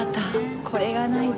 これがないと。